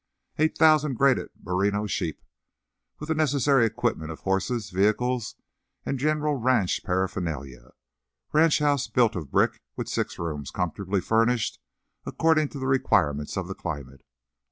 Eight thousand graded merino sheep, with the necessary equipment of horses, vehicles and general ranch paraphernalia. Ranch house built of brick, with six rooms comfortably furnished according to the requirements of the climate.